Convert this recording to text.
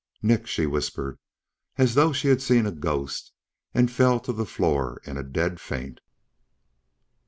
"Nick," she whispered, as though she had seen a ghost, and fell to the floor in a dead faint.